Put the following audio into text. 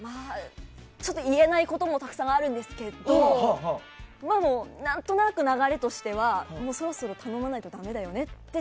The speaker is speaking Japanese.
ちょっと言えないこともたくさんあるんですけど何となく流れとしてはそろそろ頼まないとだめだよねって